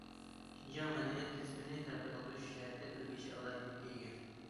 شىنجاڭ مەدەنىيەت كەسپىنى تەرەققىي قىلدۇرۇش جەھەتتە ئۆزگىچە ئالاھىدىلىككە ئىگە.